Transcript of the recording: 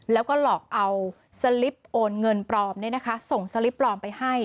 แล้วก็หลอกเอาสลิปโอนเงินปลอมส่งสลิปปลอมไปให้